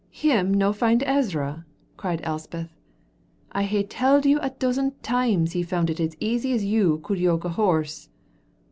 "Him no find Ezra!" cried Elspeth. "I hae telled you a dozen times he found it as easy as you could yoke a horse."